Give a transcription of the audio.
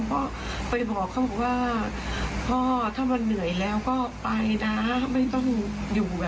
พ่อพยาบาลเขาว่าป้าเข้าไปคุยกับเขาเลยนะไปบอกเขา